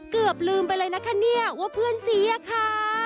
เกือบลืมไปเลยนะคะเนี่ยว่าเพื่อนเสียค่ะ